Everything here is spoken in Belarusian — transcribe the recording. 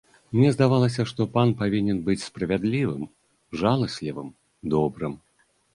Мне здавалася, што пан павінен быць справядлівым, жаласлівым, добрым.